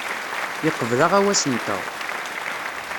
Yeqbel aɣawas-nteɣ.